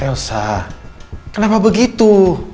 elsa kenapa begitu